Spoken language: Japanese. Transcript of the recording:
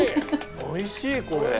おいしいこれ！